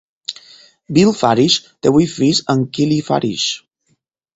Bill Farish té vuit fills amb Kelley Farish.